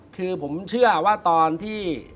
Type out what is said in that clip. คือผมเชื่อว่าตอนที่